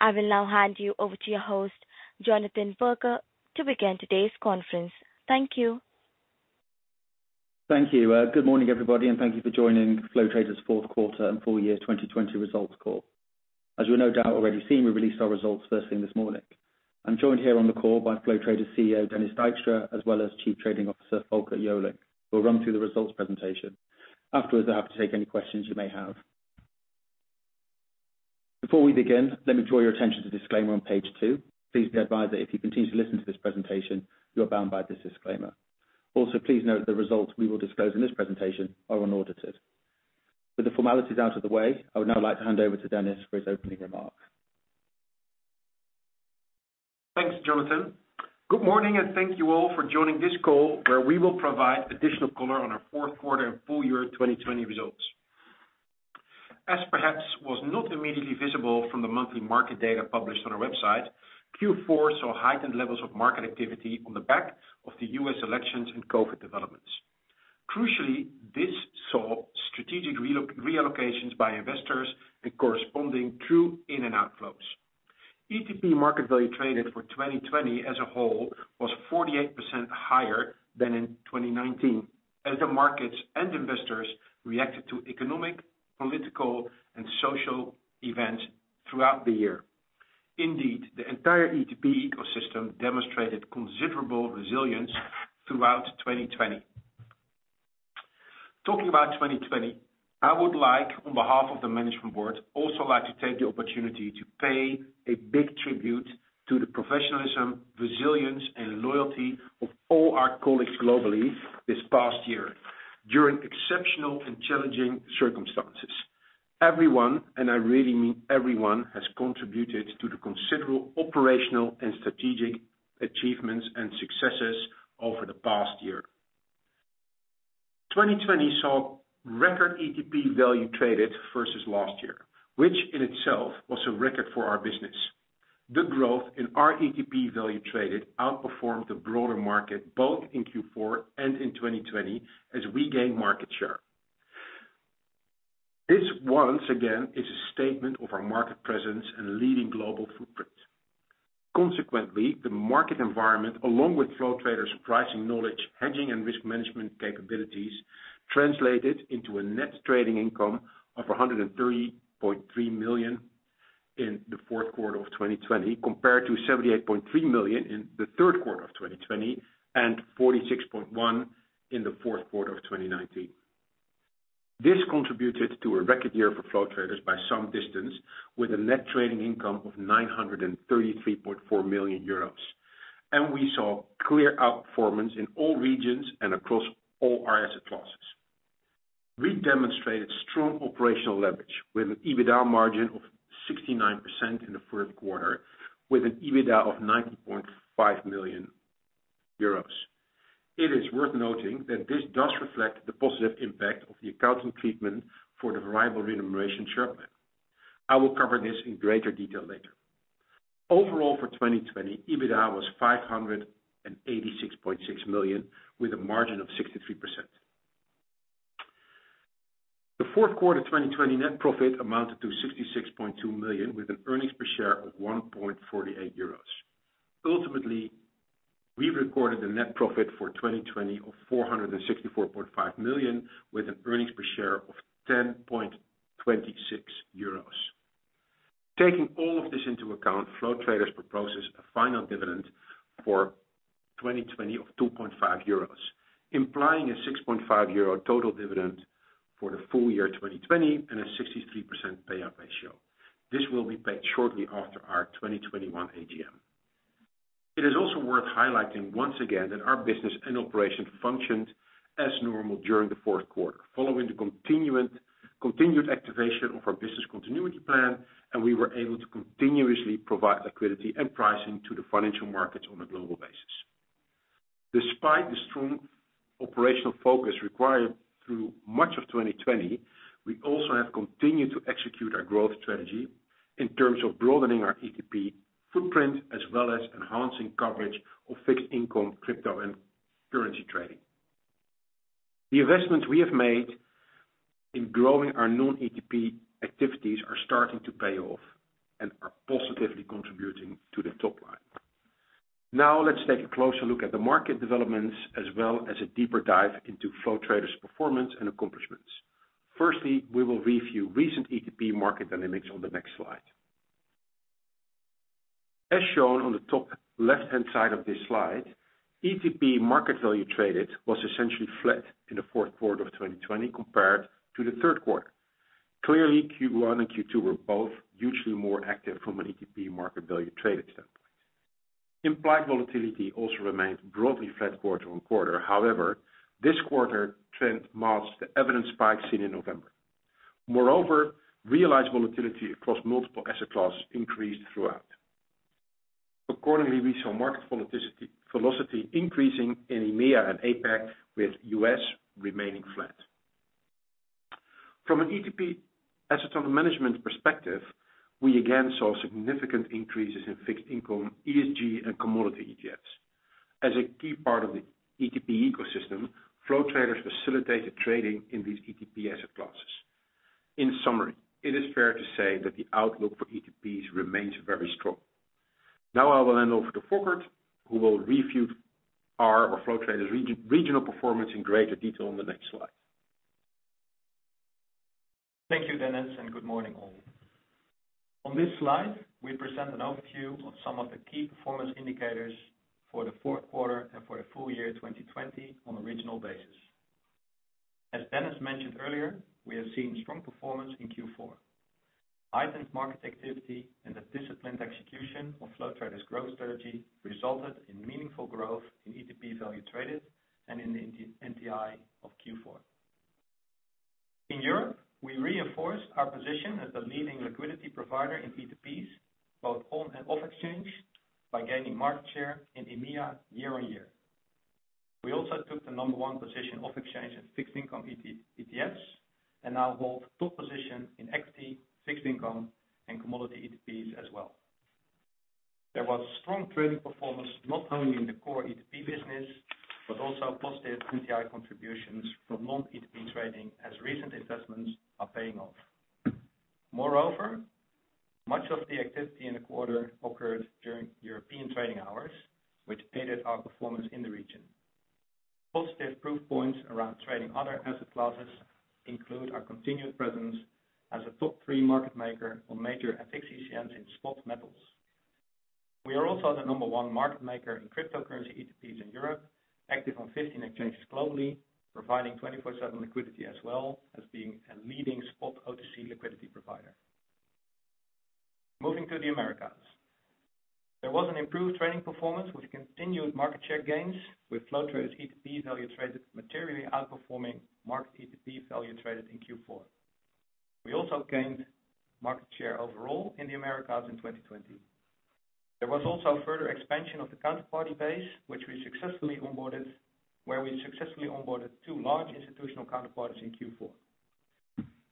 I will now hand you over to your host, Jonathan Berger, to begin today's conference. Thank you. Thank you. Good morning, everybody, and thank you for joining Flow Traders' Q4 and full year 2020 results call. As you've no doubt already seen, we released our results first thing this morning. I'm joined here on the call by Flow Traders CEO, Dennis Dijkstra, as well as Chief Trading Officer, Folkert Joling, who will run through the results presentation. Afterwards, they'll be happy to take any questions you may have. Before we begin, let me draw your attention to the disclaimer on page two. Please be advised that if you continue to listen to this presentation, you are bound by this disclaimer. Please note the results we will disclose in this presentation are unaudited. With the formalities out of the way, I would now like to hand over to Dennis for his opening remarks. Thanks, Jonathan. Good morning. Thank you all for joining this call, where we will provide additional color on our Q4 and full year 2020 results. As perhaps was not immediately visible from the monthly market data published on our website, Q4 saw heightened levels of market activity on the back of the U.S. elections and COVID developments. Crucially, this saw strategic reallocations by investors and corresponding true in and out flows. ETP market value traded for 2020 as a whole was 48% higher than in 2019 as the markets and investors reacted to economic, political, and social events throughout the year. Indeed, the entire ETP ecosystem demonstrated considerable resilience throughout 2020. Talking about 2020, I would like, on behalf of the management board, also like to take the opportunity to pay a big tribute to the professionalism, resilience, and loyalty of all our colleagues globally this past year during exceptional and challenging circumstances. Everyone, and I really mean everyone, has contributed to the considerable operational and strategic achievements and successes over the past year. 2020 saw record ETP value traded versus last year, which in itself was a record for our business. The growth in our ETP value traded outperformed the broader market, both in Q4 and in 2020 as we gain market share. This once again is a statement of our market presence and leading global footprint. Consequently, the market environment, along with Flow Traders' pricing knowledge, hedging, and risk management capabilities, translated into a net trading income of 103.3 million in the Q4 of 2020, compared to 78.3 million in the Q3 of 2020 and 46.1 in the Q4 of 2019. This contributed to a record year for Flow Traders by some distance, with a net trading income of 933.4 million euros. We saw clear outperformance in all regions and across all our asset classes. We demonstrated strong operational leverage with an EBITDA margin of 69% in the Q4 with an EBITDA of 90.5 million euros. It is worth noting that this does reflect the positive impact of the accounting treatment for the Variable Remuneration Share Plan. I will cover this in greater detail later. Overall, for 2020, EBITDA was 586.6 million with a margin of 63%. The Q4 2020 net profit amounted to 66.2 million with an earnings per share of 1.48 euros. Ultimately, we recorded a net profit for 2020 of 464.5 million with an earnings per share of 10.26 euros. Taking all of this into account, Flow Traders proposes a final dividend for 2020 of 2.5 euros, implying a 6.5 euro total dividend for the full year 2020 and a 63% payout ratio. This will be paid shortly after our 2021 AGM. It is also worth highlighting once again that our business and operation functioned as normal during the Q4, following the continued activation of our business continuity plan, and we were able to continuously provide liquidity and pricing to the financial markets on a global basis. Despite the strong operational focus required through much of 2020, we also have continued to execute our growth strategy in terms of broadening our ETP footprint, as well as enhancing coverage of fixed income crypto and currency trading. The investments we have made in growing our non-ETP activities are starting to pay off and are positively contributing to the top line. Now, let's take a closer look at the market developments, as well as a deeper dive into Flow Traders' performance and accomplishments. Firstly, we will review recent ETP market dynamics on the next slide. As shown on the top left-hand side of this slide, ETP market value traded was essentially flat in the Q4 of 2020 compared to the Q3. Clearly, Q1 and Q2 were both usually more active from an ETP market value traded standpoint. Implied volatility also remained broadly flat quarter-on-quarter. However, this quarter trend masks the evident spikes seen in November. Moreover, realized volatility across multiple asset classes increased throughout. Accordingly, we saw market velocity increasing in EMEA and APAC, with U.S. remaining flat. From an ETP asset under management perspective, we again saw significant increases in fixed income, ESG, and commodity ETFs. As a key part of the ETP ecosystem, Flow Traders facilitate the trading in these ETP asset classes. In summary, it is fair to say that the outlook for ETPs remains very strong. Now I will hand over to Folkert, who will review our, or Flow Traders', regional performance in greater detail on the next slide. Thank you, Dennis, and good morning, all. On this slide, we present an overview of some of the key performance indicators for the Q4 and for the full year 2020 on a regional basis. As Dennis mentioned earlier, we have seen strong performance in Q4. Heightened market activity and the disciplined execution of Flow Traders' growth strategy resulted in meaningful growth in ETP value traded, and in the NTI of Q4. In Europe, we reinforced our position as the leading liquidity provider in ETPs, both on and off exchange, by gaining market share in EMEA year-on-year. We also took the number 1 position off exchange in fixed income ETFs, and now hold top position in equity, fixed income, and commodity ETPs as well. There was strong trading performance, not only in the core ETP business, but also positive NTI contributions from non-ETP trading, as recent investments are paying off. Much of the activity in the quarter occurred during European trading hours, which aided our performance in the region. Positive proof points around trading other asset classes include our continued presence as a top-three market maker on major FX exchanges in spot metals. We are also the number one market maker in cryptocurrency ETPs in Europe, active on 15 exchanges globally, providing 24/7 liquidity as well as being a leading spot OTC liquidity provider. Moving to the Americas. There was an improved trading performance with continued market share gains, with Flow Traders ETP value traded materially outperforming market ETP value traded in Q4. We also gained market share overall in the Americas in 2020. There was also further expansion of the counterparty base, where we successfully onboarded two large institutional counterparties in Q4.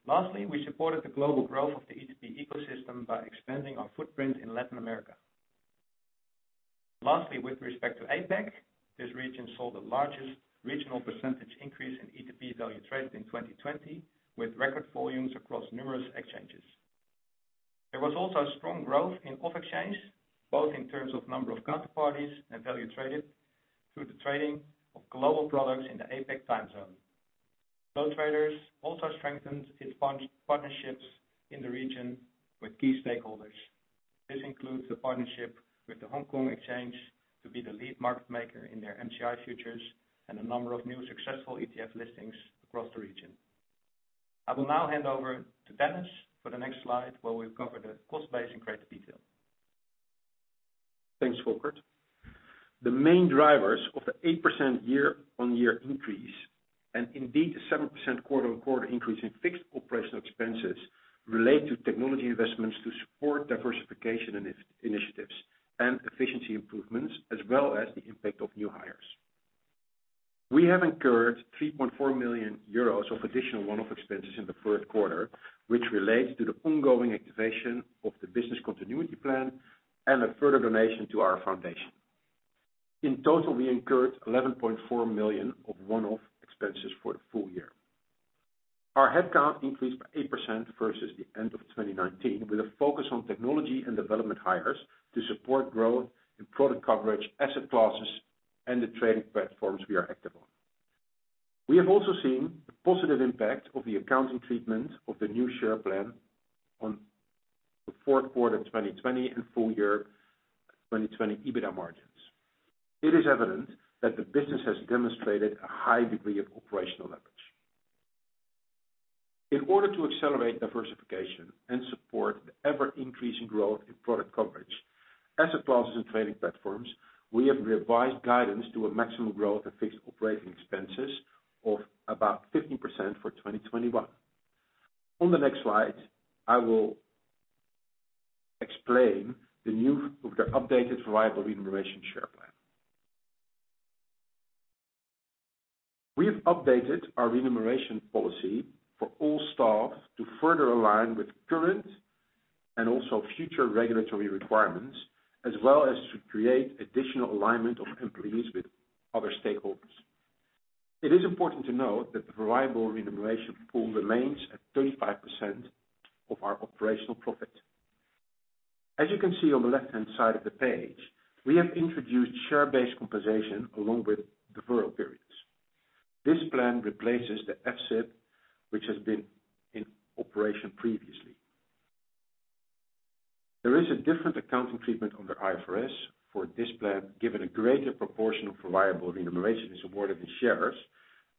Lastly, we supported the global growth of the ETP ecosystem by expanding our footprint in Latin America. Lastly, with respect to APAC, this region saw the largest regional percentage increase in ETP value traded in 2020, with record volumes across numerous exchanges. There was also strong growth in off exchange, both in terms of number of counterparties and value traded, through the trading of global products in the APAC time zone. Flow Traders also strengthened its partnerships in the region with key stakeholders. This includes the partnership with the Hong Kong Exchange to be the lead market maker in their MSCI futures and a number of new successful ETF listings across the region. I will now hand over to Dennis for the next slide, where we'll cover the cost base in greater detail. Thanks, Folkert. The main drivers of the 8% year-on-year increase, and indeed the 7% quarter-on-quarter increase in fixed operational expenses, relate to technology investments to support diversification initiatives and efficiency improvements, as well as the impact of new hires. We have incurred 3.4 million euros of additional one-off expenses in the Q1, which relates to the ongoing activation of the business continuity plan and a further donation to our foundation. In total, we incurred 11.4 million of one-off expenses for the full year. Our headcount increased by 8% versus the end of 2019, with a focus on technology and development hires to support growth in product coverage, asset classes, and the trading platforms we are active on. We have also seen the positive impact of the accounting treatment of the new share plan on the Q4 2020 and full year 2020 EBITDA margins. It is evident that the business has demonstrated a high degree of operational leverage. In order to accelerate diversification and support the ever-increasing growth in product coverage, asset classes and trading platforms, we have revised guidance to a maximum growth of fixed operating expenses of about 15% for 2021. On the next slide, I will explain the new updated Variable Remuneration Share Plan. We have updated our remuneration policy for all staff to further align with current and also future regulatory requirements, as well as to create additional alignment of employees with other stakeholders. It is important to note that the variable remuneration pool remains at 35% of our operational profit. As you can see on the left-hand side of the page, we have introduced share-based compensation along with deferral periods. This plan replaces the FSIP, which has been in operation previously. There is a different accounting treatment under IFRS for this plan, given a greater proportion of variable remuneration is awarded in shares,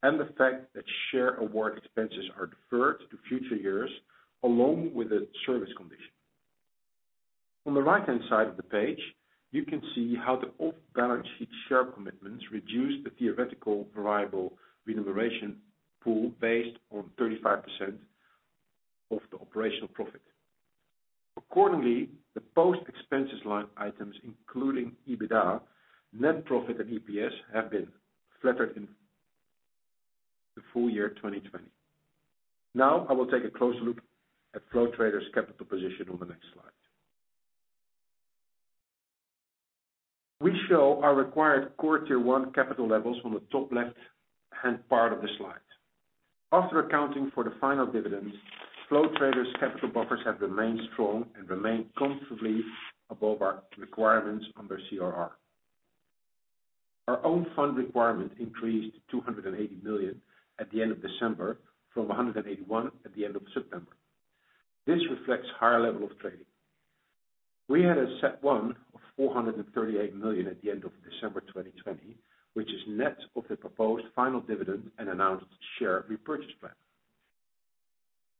and the fact that share award expenses are deferred to future years along with a service condition. On the right-hand side of the page, you can see how the off-balance sheet share commitments reduce the theoretical variable remuneration pool based on 35% of the operational profit. Accordingly, the post-expenses line items, including EBITDA, net profit and EPS, have been flattered in full year 2020. Now I will take a closer look at Flow Traders' capital position on the next slide. We show our required Core Tier 1 capital levels on the top left-hand part of the slide. After accounting for the final dividends, Flow Traders' capital buffers have remained strong and remain comfortably above our requirements under CRR. Our own fund requirement increased to 280 million at the end of December from 181 million at the end of September. This reflects higher level of trading. We had a CET1 of 438 million at the end of December 2020, which is net of the proposed final dividend and announced share repurchase plan.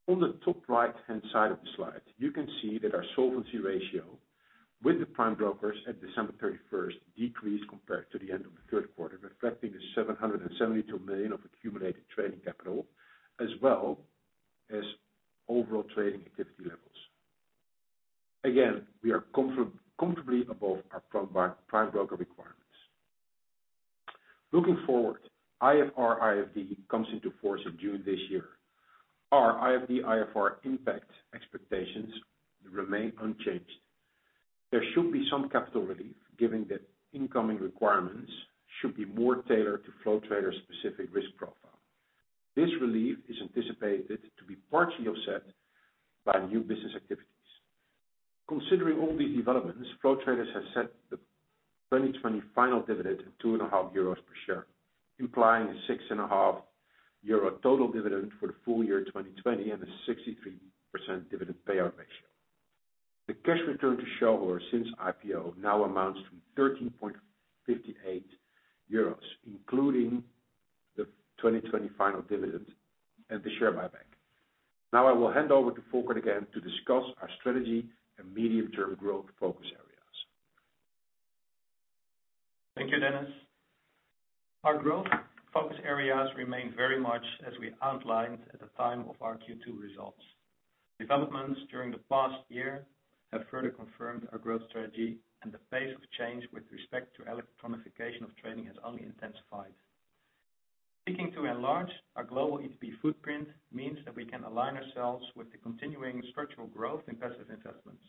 On the top right-hand side of the slide, you can see that our solvency ratio with the prime brokers at December 31st decreased compared to the end of the Q3, reflecting the 772 million of accumulated trading capital, as well as overall trading activity levels. Again, we are comfortably above our prime broker requirements. Looking forward, IFR/IFD comes into force of June this year. Our IFD/IFR impact expectations remain unchanged. There should be some capital relief, given that incoming requirements should be more tailored to Flow Traders' specific risk profile. This relief is anticipated to be partially offset by new business activities. Considering all these developments, Flow Traders has set the 2020 final dividend of 2.50 euros per share, implying a 6.50 euro total dividend for the full year 2020, and a 63% dividend payout ratio. The cash return to shareholders since IPO now amounts to 13.58 euros, including the 2020 final dividend and the share buyback. Now I will hand over to Folkert again to discuss our strategy and medium-term growth focus areas. Thank you, Dennis. Our growth focus areas remain very much as we outlined at the time of our Q2 results. Developments during the past year have further confirmed our growth strategy. The pace of change with respect to electronification of trading has only intensified. Seeking to enlarge our global ETP footprint means that we can align ourselves with the continuing structural growth in passive investments.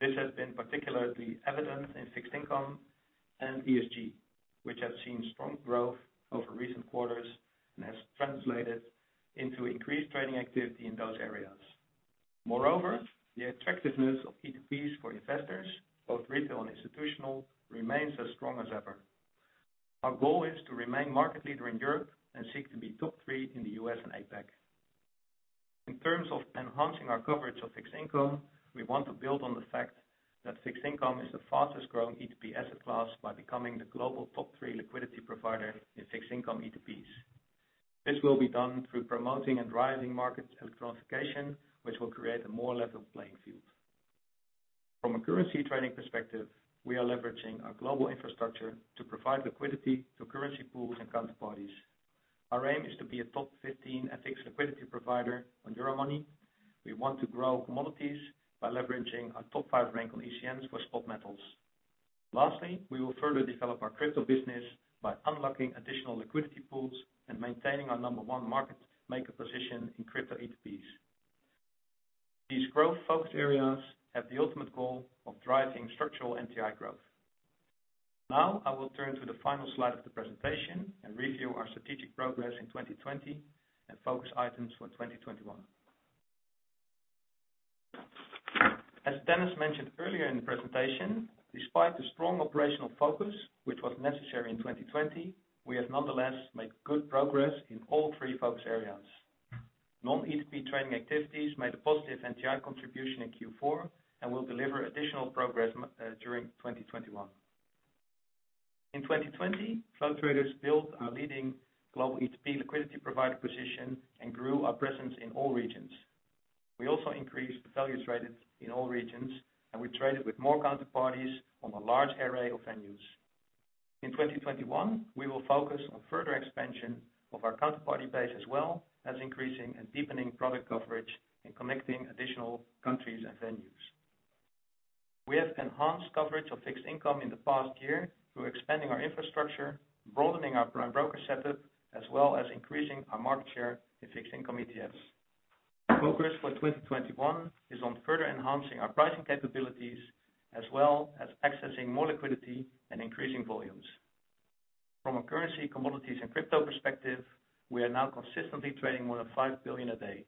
This has been particularly evident in fixed income and ESG, which has seen strong growth over recent quarters and has translated into increased trading activity in those areas. The attractiveness of ETPs for investors, both retail and institutional, remains as strong as ever. Our goal is to remain market leader in Europe and seek to be top three in the U.S. and APAC. In terms of enhancing our coverage of fixed income, we want to build on the fact that fixed income is the fastest-growing ETP asset class by becoming the global top three liquidity provider in fixed income ETPs. This will be done through promoting and driving market electronification, which will create a more level playing field. From a currency trading perspective, we are leveraging our global infrastructure to provide liquidity to currency pools and counterparties. Our aim is to be a top 15 FX liquidity provider on Euromoney. We want to grow commodities by leveraging our top 5 rank on ECNs for spot metals. Lastly, we will further develop our crypto business by unlocking additional liquidity pools and maintaining our number 1 market maker position in crypto ETPs. These growth focus areas have the ultimate goal of driving structural NTI growth. I will turn to the final slide of the presentation and review our strategic progress in 2020 and focus items for 2021. As Dennis mentioned earlier in the presentation, despite the strong operational focus, which was necessary in 2020, we have nonetheless made good progress in all three focus areas. Non-ETP trading activities made a positive NTI contribution in Q4 and will deliver additional progress during 2021. In 2020, Flow Traders built our leading global ETP liquidity provider position and grew our presence in all regions. We also increased the values traded in all regions, we traded with more counterparties on a large array of venues. In 2021, we will focus on further expansion of our counterparty base, as well as increasing and deepening product coverage and connecting additional countries and venues. We have enhanced coverage of fixed income in the past year through expanding our infrastructure, broadening our prime broker setup, as well as increasing our market share in fixed income ETFs. The focus for 2021 is on further enhancing our pricing capabilities, as well as accessing more liquidity and increasing volumes. From a currency, commodities, and crypto perspective, we are now consistently trading more than 5 billion a day.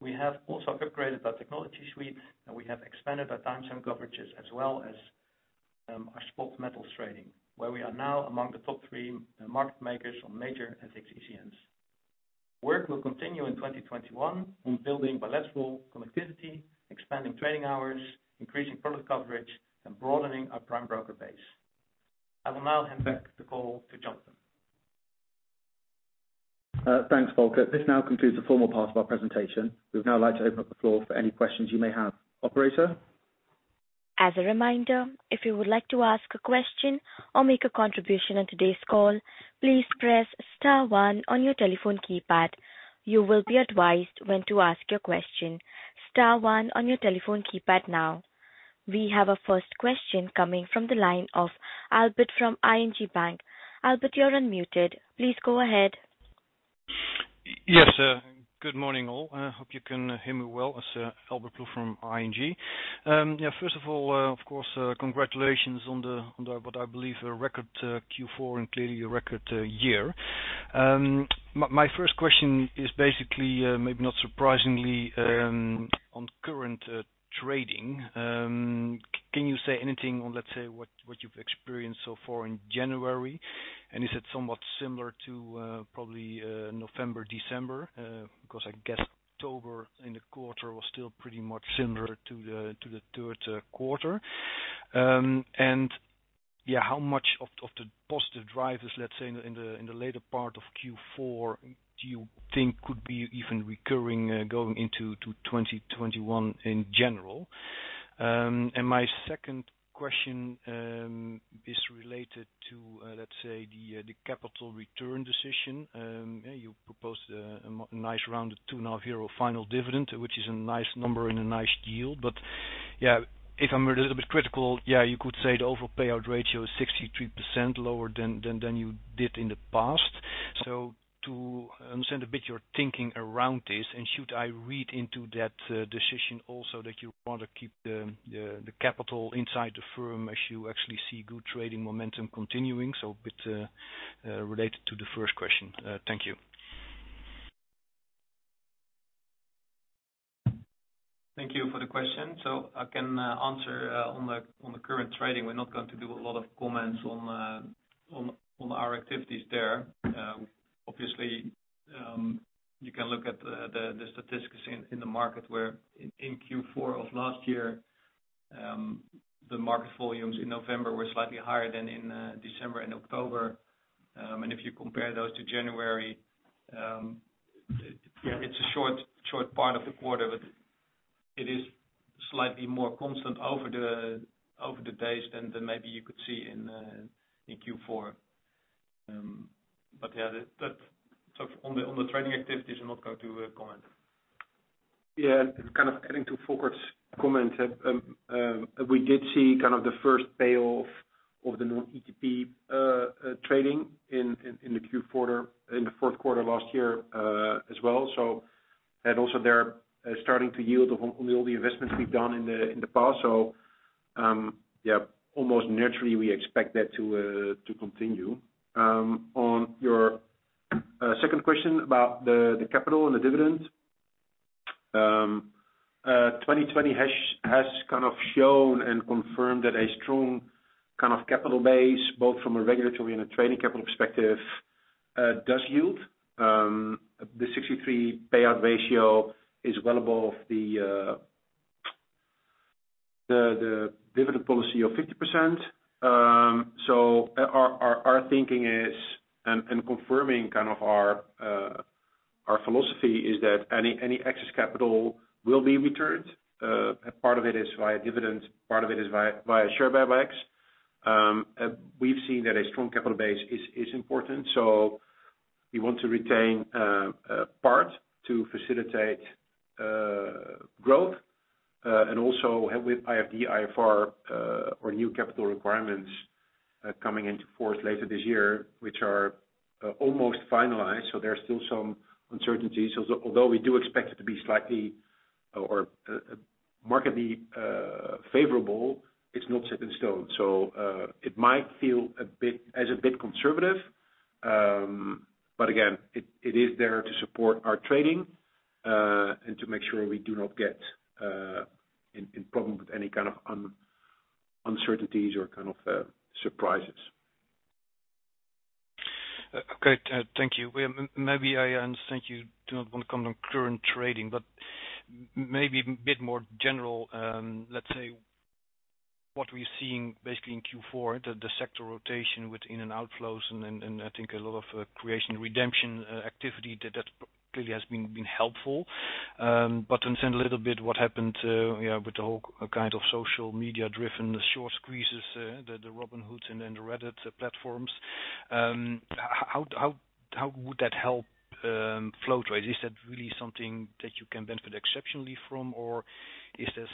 We have also upgraded our technology suite, and we have expanded our time zone coverages as well as our spot metals trading, where we are now among the top three market makers on major FX ECNs. Work will continue in 2021 on building bilateral connectivity, expanding trading hours, increasing product coverage, and broadening our prime broker base. I will now hand back the call to Jonathan. Thanks, Folkert. This now concludes the formal part of our presentation. We'd now like to open up the floor for any questions you may have. Operator. We have our first question coming from the line of Albert from ING Bank. Albert, you're unmuted. Please go ahead. Yes. Good morning, all. I hope you can hear me well. It's Albert Ploegh from ING. First of all, of course, congratulations on what I believe a record Q4 and clearly a record year. My first question is basically, maybe not surprisingly, on current trading. Can you say anything on, let's say, what you've experienced so far in January? Is it somewhat similar to probably November, December? I guess October and the quarter was still pretty much similar to the Q3. How much of the positive drivers, let's say, in the later part of Q4 do you think could be even recurring going into 2021 in general? My second question is related to the capital return decision. You proposed a nice rounded two-and-a-half euro final dividend, which is a nice number and a nice yield. If I'm a little bit critical, you could say the overall payout ratio is 63% lower than you did in the past. To understand a bit your thinking around this, and should I read into that decision also that you want to keep the capital inside the firm as you actually see good trading momentum continuing? A bit related to the first question. Thank you. Thank you for the question. I can answer on the current trading. We're not going to do a lot of comments on our activities there. Obviously, you can look at the statistics in the market where in Q4 of last year the market volumes in November were slightly higher than in December and October. If you compare those to January, it's a short part of the quarter, but it is slightly more constant over the days than maybe you could see in Q4. On the trading activities, I'm not going to comment. Kind of adding to Folkert's comment. We did see the first payoff of the non-ETP trading in the Q4 last year as well. That also there starting to yield on all the investments we've done in the past. Almost naturally, we expect that to continue. On your second question about the capital and the dividend. 2020 has shown and confirmed that a strong capital base, both from a regulatory and a trading capital perspective, does yield. The 63 payout ratio is well above the dividend policy of 50%. Our thinking is, and confirming our philosophy is that any excess capital will be returned. Part of it is via dividends, part of it is via share buybacks. We've seen that a strong capital base is important. We want to retain part to facilitate growth and also with IFR, IFD or new capital requirements coming into force later this year, which are almost finalized. There are still some uncertainties. Although we do expect it to be slightly or markedly favorable, it's not set in stone. It might feel as a bit conservative. Again, it is there to support our trading and to make sure we do not get in problem with any kind of uncertainties or surprises. Okay. Thank you. I understand you do not want to comment on current trading, maybe a bit more general. Let's say what we're seeing basically in Q4, the sector rotation with in and outflows and I think a lot of creation redemption activity that clearly has been helpful. Understand a little bit what happened with the whole social media-driven short squeezes, the Robinhood and the Reddit platforms. How would that help Flow Traders? Is that really something that you can benefit exceptionally from? Is this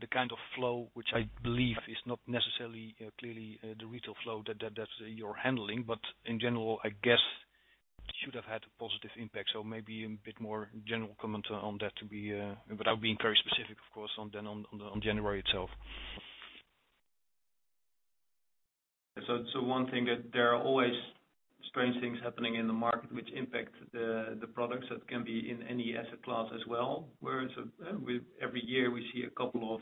the kind of flow which I believe is not necessarily clearly the retail flow that you're handling, but in general, I guess should have had a positive impact. Maybe a bit more general comment on that without being very specific, of course, on January itself. One thing that there are always strange things happening in the market which impact the products that can be in any asset class as well, whereas with every year we see a couple of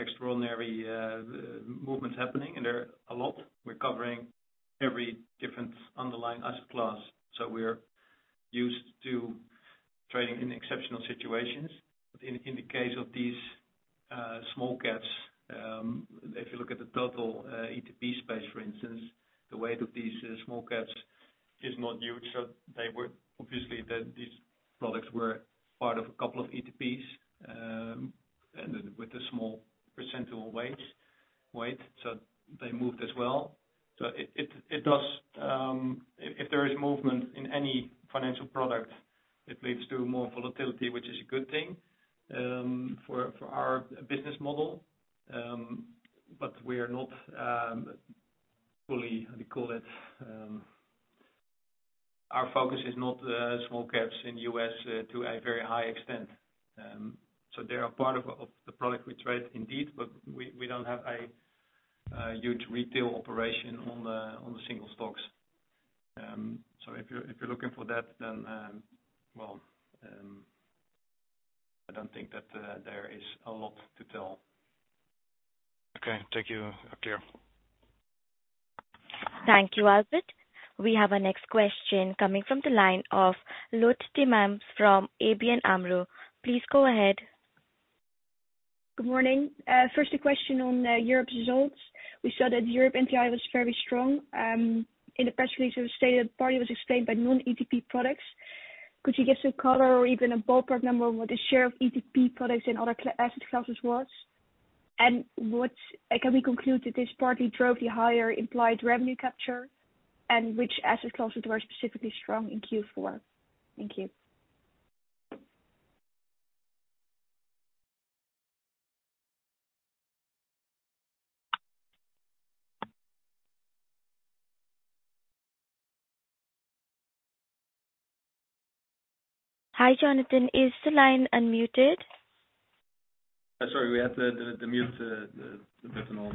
extraordinary movements happening, and they're a lot. We're covering every different underlying asset class. We're used to trading in exceptional situations. In the case of these small caps, if you look at the total ETP space, for instance, the weight of these small caps is not huge. Obviously these products were part of a couple of ETPs with a small percentile weight. Weight, they moved as well. If there is movement in any financial product, it leads to more volatility, which is a good thing for our business model. Our focus is not small caps in the U.S. to a very high extent. They are part of the product we trade indeed, but we don't have a huge retail operation on the single stocks. If you're looking for that, then well, I don't think that there is a lot to tell. Okay. Thank you. Clear. Thank you, Albert. We have our next question coming from the line of Lotte Timmermans from ABN AMRO. Please go ahead. Good morning. First, a question on Europe's results. We saw that Europe NTI was very strong. In the press release, it was stated partly was explained by non-ETP products. Could you give some color or even a ballpark number of what the share of ETP products and other asset classes was? Can we conclude that this partly drove the higher implied revenue capture? Which asset classes were specifically strong in Q4? Thank you. Hi, Jonathan. Is the line unmuted? Sorry, we had to mute the personal.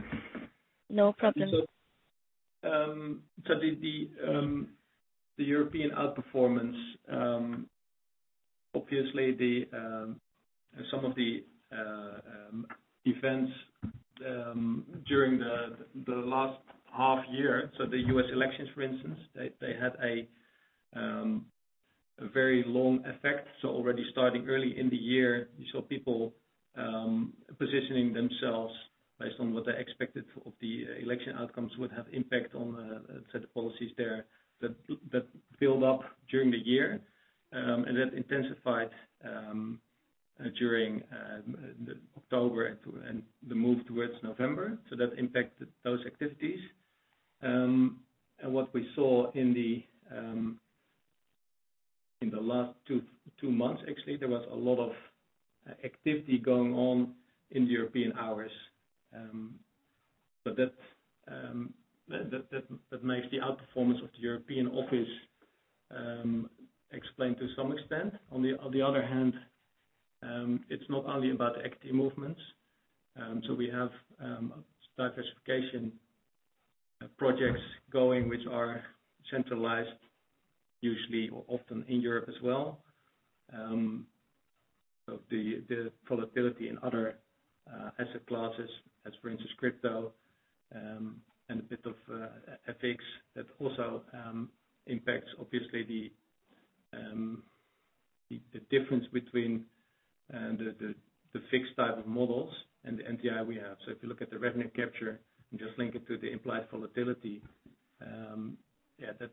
No problem. The European outperformance, obviously some of the events during the last half year, the U.S. elections, for instance, they had a very long effect. Already starting early in the year, you saw people positioning themselves based on what they expected of the election outcomes would have impact on the set of policies there that build up during the year. That intensified during October and the move towards November. That impacted those activities. What we saw in the last two months, actually, there was a lot of activity going on in the European hours. That makes the outperformance of the European office explained to some extent. On the other hand, it's not only about equity movements. We have diversification projects going which are centralized, usually, often in Europe as well. The volatility in other asset classes as, for instance, crypto, and a bit of FX, that also impacts, obviously, the difference between the fixed type of models and the NTI we have. If you look at the revenue capture and just link it to the implied volatility,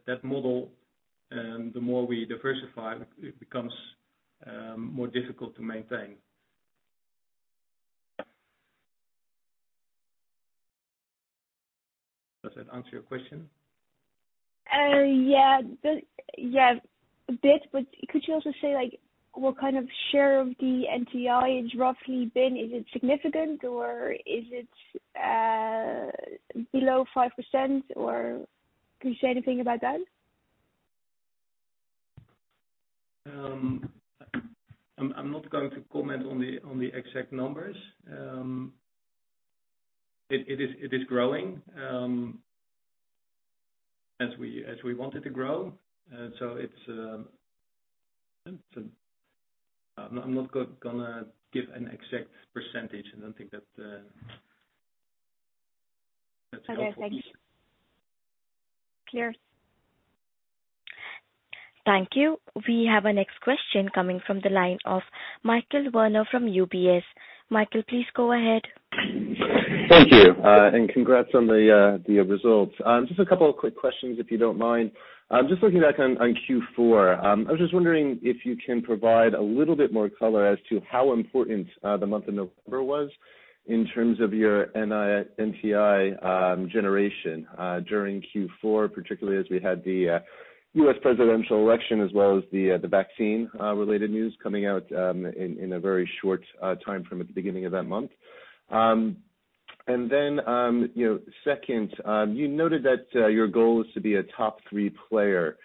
that model, the more we diversify, it becomes more difficult to maintain. Does that answer your question? Yeah. A bit, but could you also say what kind of share of the NTI it's roughly been? Is it significant or is it below 5% or can you say anything about that? I'm not going to comment on the exact numbers. It is growing as we want it to grow. I'm not going to give an exact percentage. I don't think that's helpful. Okay, thank you. Clear. Thank you. We have our next question coming from the line of Michael Werner from UBS. Michael, please go ahead. Thank you. Congrats on the results. Just a couple of quick questions, if you don't mind. Just looking back on Q4, I was just wondering if you can provide a little bit more color as to how important the month of November was in terms of your NTI generation during Q4, particularly as we had the U.S. presidential election as well as the vaccine-related news coming out in a very short time from the beginning of that month. Second, you noted that your goal is to be a top three player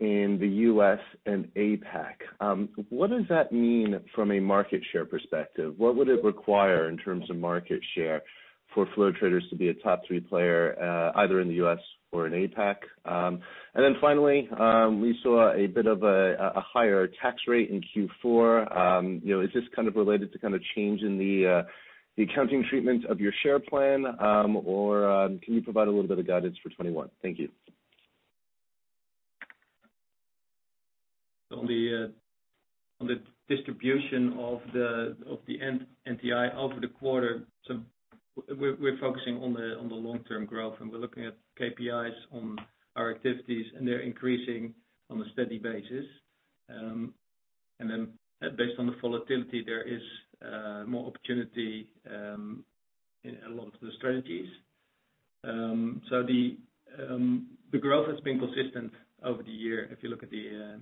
in the U.S. and APAC. What does that mean from a market share perspective? What would it require in terms of market share for Flow Traders to be a top three player, either in the U.S. or in APAC? Finally, we saw a bit of a higher tax rate in Q4. Is this related to change in the accounting treatment of your Share Plan? Can you provide a little bit of guidance for 2021? Thank you. On the distribution of the NTI over the quarter, we're focusing on the long-term growth, and we're looking at KPIs on our activities, and they're increasing on a steady basis. Based on the volatility, there is more opportunity in a lot of the strategies. The growth has been consistent over the year. If you look at the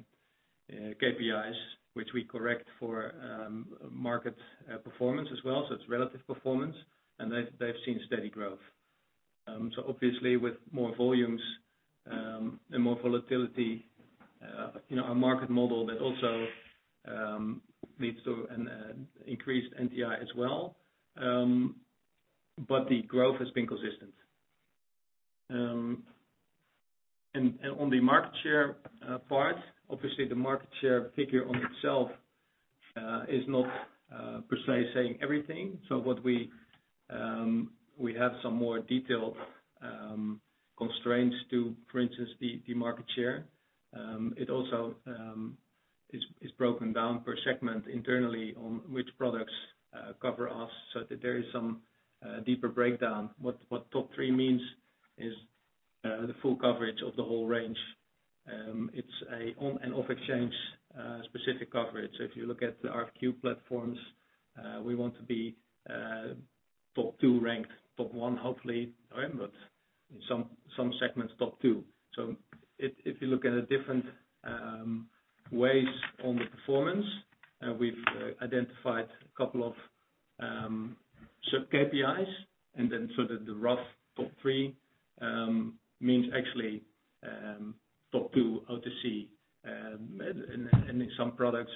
KPIs, which we correct for market performance as well, so it's relative performance, and they've seen steady growth. Obviously with more volumes and more volatility, our market model that also leads to an increased NTI as well, but the growth has been consistent. On the market share part, obviously the market share figure on itself is not per se saying everything. We have some more detailed constraints to, for instance, the market share. It also is broken down per segment internally on which products cover us so that there is some deeper breakdown. What top three means is the full coverage of the whole range. It's an on- and off-exchange specific coverage. If you look at the RFQ platforms, we want to be top two ranked, top one, hopefully, but in some segments, top two. If you look at the different ways on the performance, we've identified a couple of sub-KPIs, and then so that the rough top three means actually top two OTC. In some products,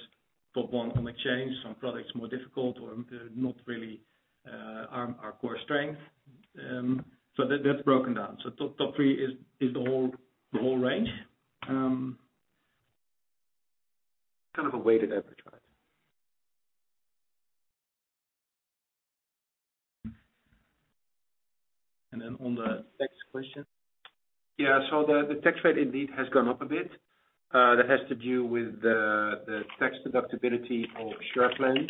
top one on exchange, some products more difficult or not really our core strength. That's broken down. Top three is the whole range. Kind of a weighted average, right? On the tax question. Yeah. The tax rate indeed has gone up a bit. That has to do with the tax deductibility of share loans,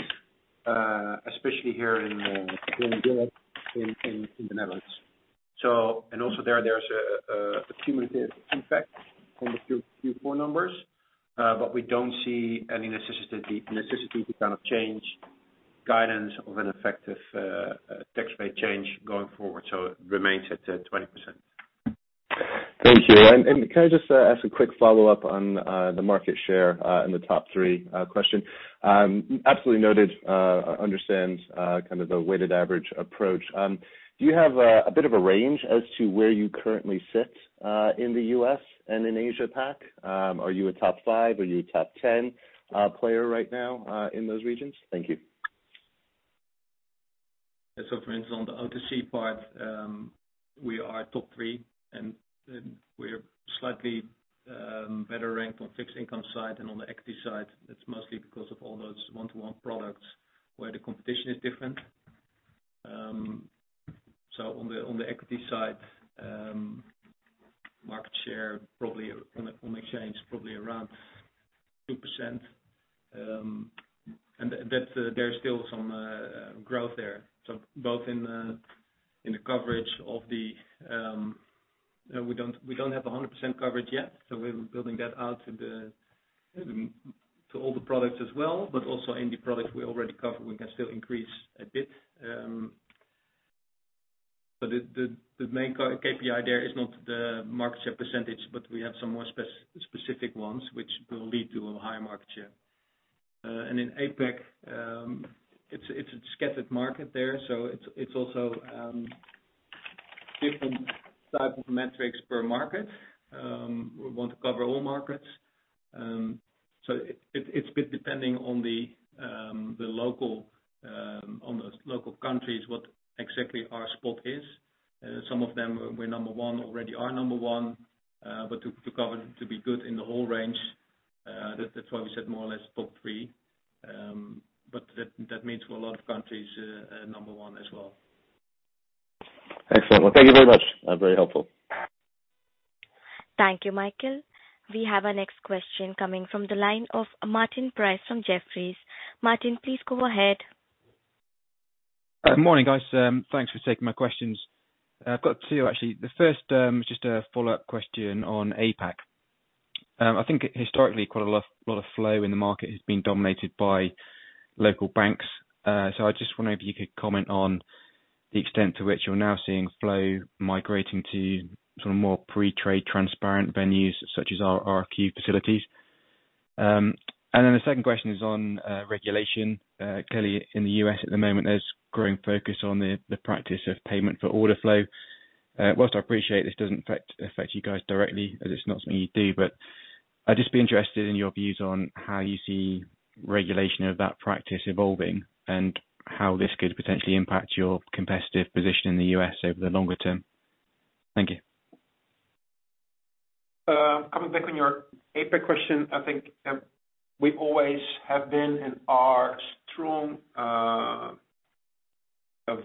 especially here in Europe, in the Netherlands. Also there's a cumulative effect on the Q4 numbers, but we don't see any necessity to change guidance of an effective tax rate change going forward, so it remains at 20%. Thank you. Can I just ask a quick follow-up on the market share in the top three question? Absolutely noted, understand kind of the weighted average approach. Do you have a bit of a range as to where you currently sit in the U.S. and in Asia Pac? Are you a top five? Are you a top 10 player right now in those regions? Thank you. For instance, on the OTC part, we are top three, and we're slightly better ranked on fixed income side and on the equity side. That's mostly because of all those one-to-one products where the competition is different. On the equity side, market share on exchange, probably around 2%, and there's still some growth there. Both in the coverage, we don't have 100% coverage yet, so we're building that out to all the products as well, but also in the products we already cover, we can still increase a bit. The main KPI there is not the market share percentage, but we have some more specific ones which will lead to a higher market share. In APAC, it's a scattered market there, so it's also different type of metrics per market. We want to cover all markets. It's a bit depending on the local countries, what exactly our spot is. Some of them we're number one, already are number one. To be good in the whole range, that's why we said more or less top three. That means for a lot of countries, number one as well. Excellent. Thank you very much. Very helpful. Thank you, Michael. We have our next question coming from the line of Martin Price from Jefferies. Martin, please go ahead. Good morning, guys. Thanks for taking my questions. I've got two, actually. The first is just a follow-up question on APAC. I think historically, quite a lot of flow in the market has been dominated by local banks. I just wonder if you could comment on the extent to which you're now seeing flow migrating to some more pre-trade transparent venues such as RFQ facilities. The second question is on regulation. Clearly in the U.S. at the moment, there's growing focus on the practice of payment for order flow. Whilst I appreciate this doesn't affect you guys directly as it's not something you do, I'd just be interested in your views on how you see regulation of that practice evolving and how this could potentially impact your competitive position in the U.S. over the longer term. Thank you. Coming back on your APAC question, I think we always have been and are strong,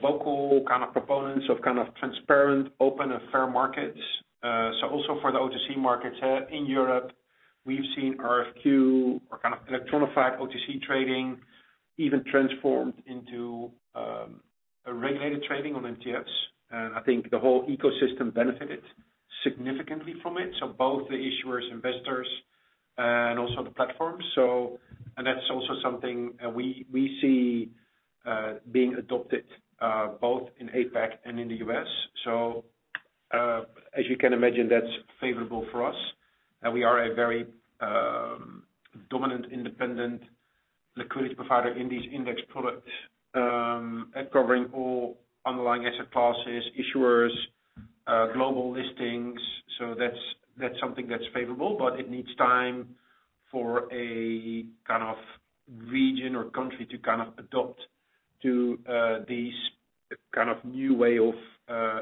vocal proponents of transparent, open, and fair markets. Also for the OTC markets in Europe, we've seen RFQ or kind of electronified OTC trading Even transformed into a regulated trading on MTF. I think the whole ecosystem benefited significantly from it, so both the issuers, investors, and also the platforms. That's also something we see being adopted both in APAC and in the U.S. As you can imagine, that's favorable for us. We are a very dominant, independent liquidity provider in these index products, covering all underlying asset classes, issuers, global listings. That's something that's favorable, but it needs time for a region or country to adopt to these new way of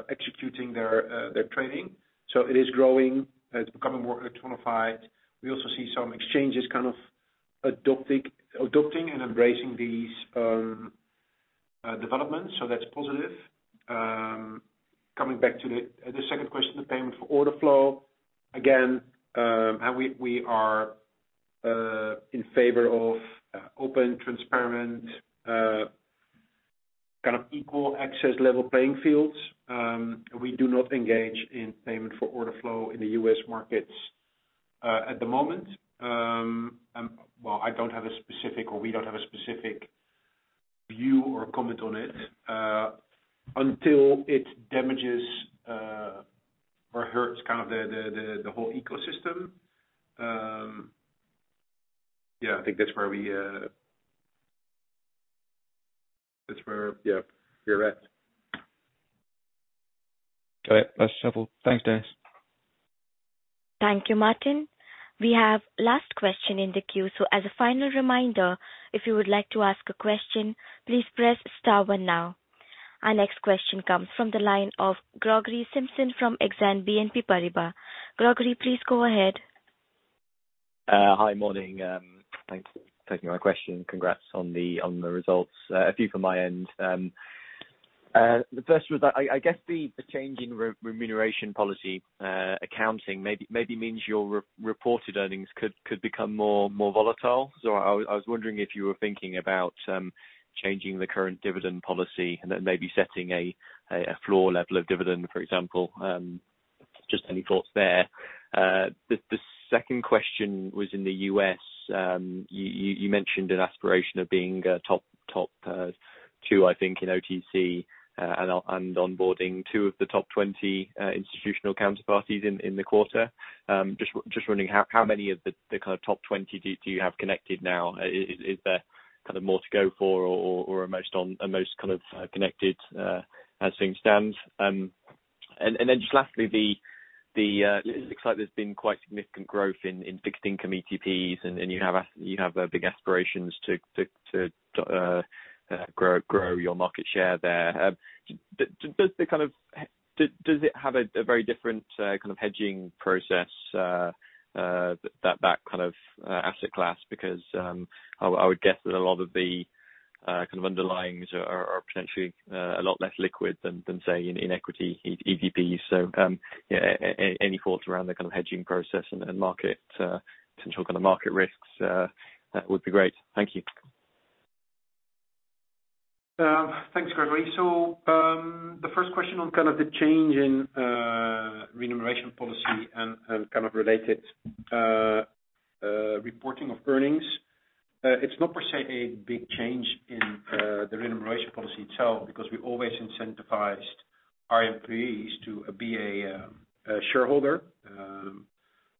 executing their trading. It is growing. It's becoming more electronified. We also see some exchanges adopting and embracing these developments, so that's positive. Coming back to the second question, the payment for order flow. Again, we are in favor of open, transparent, equal access level playing fields. We do not engage in payment for order flow in the U.S. markets at the moment. I don't have a specific, or we don't have a specific view or comment on it. Until it damages or hurts the whole ecosystem, I think that's where we're at. Okay. That's helpful. Thanks, Dennis. Thank you, Martin. We have last question in the queue. As a final reminder, if you would like to ask a question, please press star one now. Our next question comes from the line of Gregory Simpson from Exane BNP Paribas. Gregory, please go ahead. Hi, morning. Thanks for taking my question. Congrats on the results. A few from my end. The first was, I guess the change in remuneration policy accounting maybe means your reported earnings could become more volatile. I was wondering if you were thinking about changing the current dividend policy and then maybe setting a floor level of dividend, for example. Just any thoughts there. The second question was in the U.S., you mentioned an aspiration of being a top two, I think, in OTC, and onboarding two of the top 20 institutional counterparties in the quarter. Just wondering how many of the top 20 do you have connected now? Is there more to go for or are most kind of connected as things stand? Just lastly, it looks like there's been quite significant growth in fixed income ETPs and you have big aspirations to grow your market share there. Does it have a very different kind of hedging process, that kind of asset class? I would guess that a lot of the underlyings are potentially a lot less liquid than say, in equity ETPs. Any thoughts around the kind of hedging process and potential kind of market risks, that would be great. Thank you. Thanks, Gregory. The first question on the change in remuneration policy and kind of related reporting of earnings. It's not per se a big change in the remuneration policy itself because we always incentivized our employees to be a shareholder.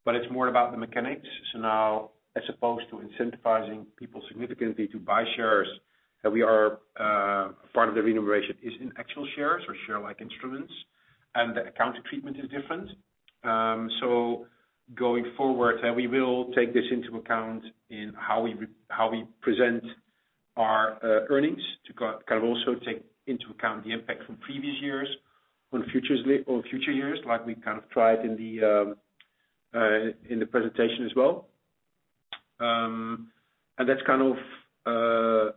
It's more about the mechanics. Now, as opposed to incentivizing people significantly to buy shares, part of the remuneration is in actual shares or share-like instruments, and the accounting treatment is different. Going forward, we will take this into account in how we present our earnings to kind of also take into account the impact from previous years on future years, like we kind of tried in the presentation as well. That's kind of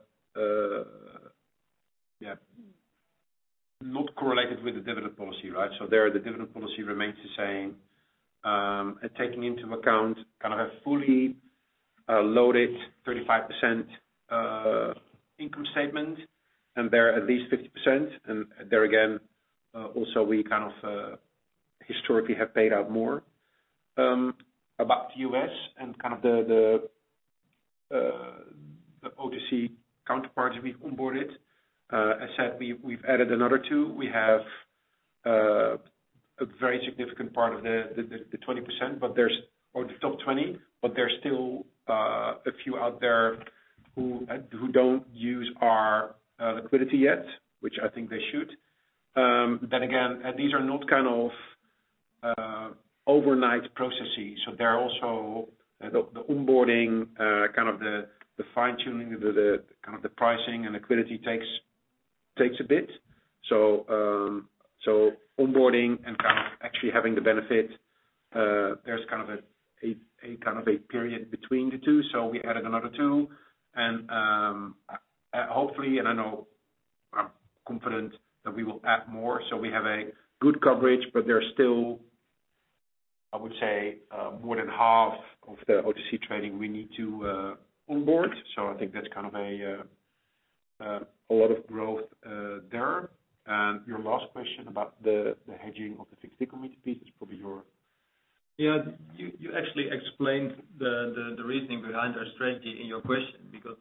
not correlated with the dividend policy, right? There, the dividend policy remains the same, taking into account a fully loaded 35% income statement and there at least 50%. There again, also we historically have paid out more. About the U.S. and the OTC counterparts we've onboarded. As said, we've added another two. We have a very significant part of the top 20, but there's still a few out there who don't use our liquidity yet, which I think they should. Again, these are not overnight processes. They're also the onboarding, the fine-tuning, the pricing and liquidity takes a bit. Onboarding and actually having the benefit, there's a kind of a period between the two. We added another two, hopefully. Confident that we will add more. We have a good coverage, but there's still, I would say, more than half of the OTC trading we need to onboard. I think that's a lot of growth there. Your last question about the hedging of the fixed income ETP is probably, yeah, you actually explained the reasoning behind our strategy in your question, because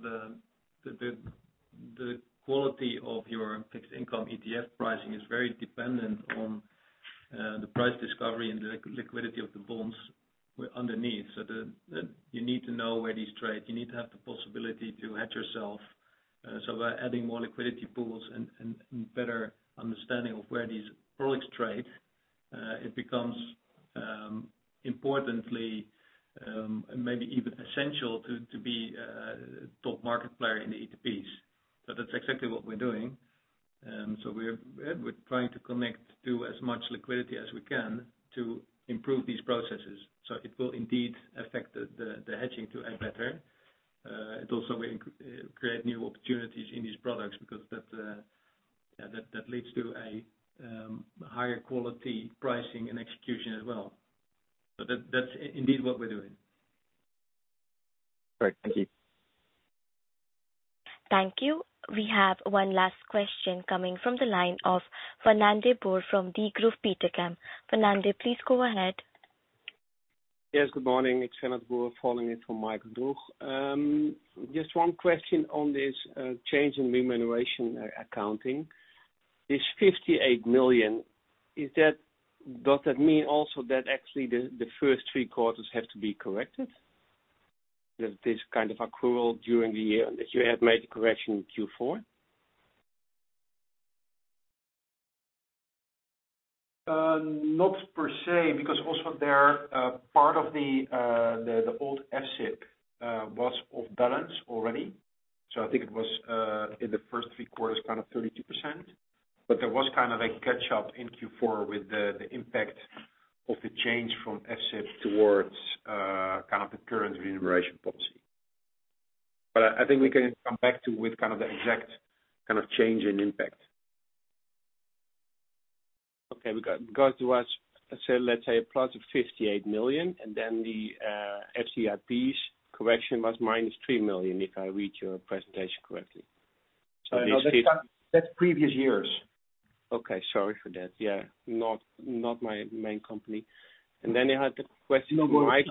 the quality of your fixed income ETF pricing is very dependent on the price discovery and the liquidity of the bonds underneath. You need to know where these trade. You need to have the possibility to hedge yourself. By adding more liquidity pools and better understanding of where these products trade, it becomes important, maybe even essential to be a top market player in the ETPs. That's exactly what we're doing. We're trying to connect to as much liquidity as we can to improve these processes. It will indeed affect the hedging to act better. It also will create new opportunities in these products because that leads to a higher quality pricing and execution as well. That's indeed what we're doing. Great. Thank you. Thank you. We have one last question coming from the line of Fernand de Boer from Degroof Petercam. Fernand, please go ahead. Yes, good morning. It's Fernand de Boer falling in for Michael Roeg. Just one question on this change in remuneration accounting. This 58 million, does that mean also that actually the first three quarters have to be corrected? That this kind of accrual during the year, that you have made a correction in Q4? Not per se, because also there, part of the old FSIP was off balance already. I think it was in the first three quarters, kind of 32%. There was kind of a catch-up in Q4 with the impact of the change from FSIP towards the current remuneration policy. I think we can come back with the exact change in impact. Okay. There was, let's say, a plus of 58 million, and then the FSIP's correction was minus 3 million, if I read your presentation correctly. No, that's previous years. Okay. Sorry for that. Yeah. Not my main company. I had the question for Mike.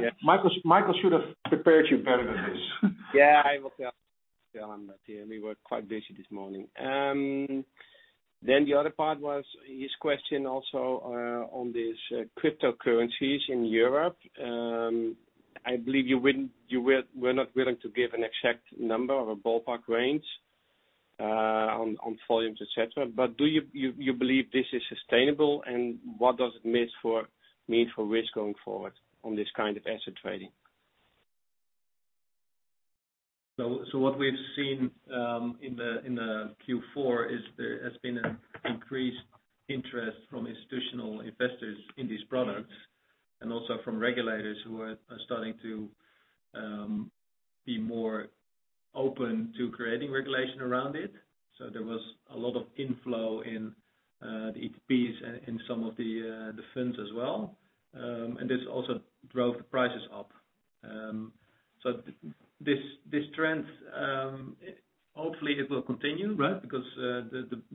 Yeah. Michael should have prepared you better than this. Yeah, I will tell him that. We were quite busy this morning. The other part was his question also on these cryptocurrencies in Europe. I believe you were not willing to give an exact number or a ballpark range on volumes, et cetera. Do you believe this is sustainable, and what does it mean for risk going forward on this kind of asset trading? What we've seen in the Q4 is there has been an increased interest from institutional investors in these products, and also from regulators who are starting to be more open to creating regulation around it. There was a lot of inflow in the ETPs and in some of the funds as well. This also drove the prices up. This trend, hopefully it will continue, right? Because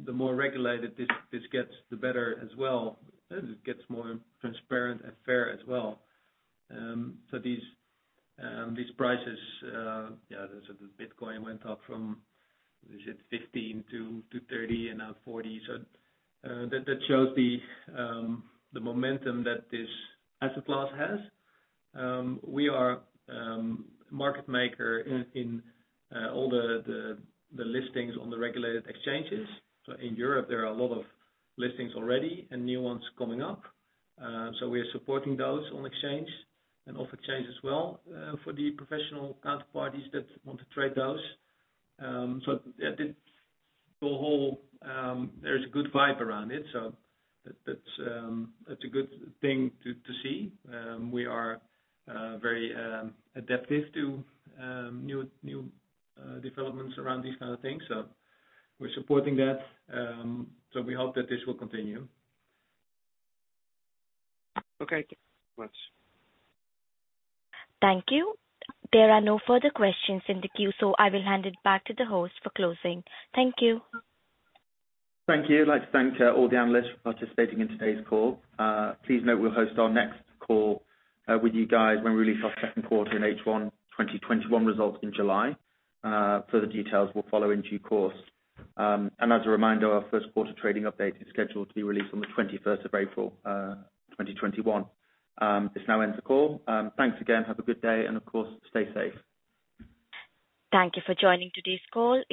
the more regulated this gets, the better as well. It gets more transparent and fair as well. These prices, the Bitcoin went up from, let me see, 15 to 30 and now 40. That shows the momentum that this asset class has. We are a market maker in all the listings on the regulated exchanges. In Europe, there are a lot of listings already and new ones coming up. We are supporting those on exchange and off exchange as well for the professional counterparties that want to trade those. The whole there's a good vibe around it, so that's a good thing to see. We are very adaptive to new developments around these kind of things. We're supporting that. We hope that this will continue. Okay. Thanks very much. Thank you. There are no further questions in the queue. I will hand it]back to the host for closing. Thank you. Thank you. I'd like to thank all the analysts for participating in today's call. Please note we'll host our next call with you guys when we release our Q2 and H1 2021 results in July. Further details will follow in due course. As a reminder, our Q1 trading update is scheduled to be released on the April 21st, 2021. This now ends the call. Thanks again. Have a good day, and of course, stay safe. Thank you for joining today's call.